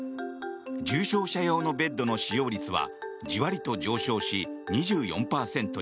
重症者用のベッドの使用率はジワリと上昇し、２４％に。